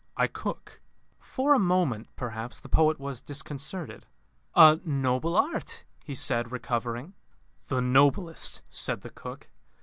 I cook." For a moment, perhaps, the poet was disconcerted. "A noble art," he said, recovering. "The noblest," said the cook.